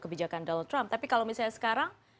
kebijakan donald trump tapi kalau misalnya sekarang